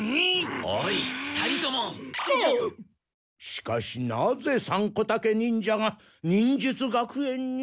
しかしなぜサンコタケ忍者が忍術学園に。